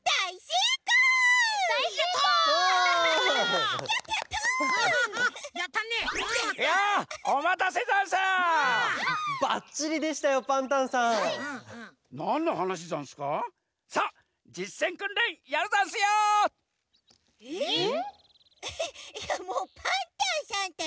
いやもうパンタンさんったら！